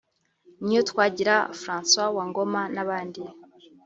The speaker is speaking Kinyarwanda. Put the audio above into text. Niyotwagira Francois wa Ngoma n’abandi